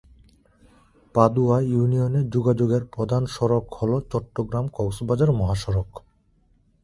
পদুয়া ইউনিয়নে যোগাযোগের প্রধান সড়ক হল চট্টগ্রাম-কক্সবাজার মহাসড়ক।